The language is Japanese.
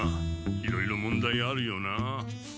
いろいろ問題あるよなあ。